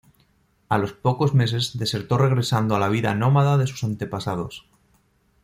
A los pocos meses desertó regresando a la vida nómada de sus antepasados.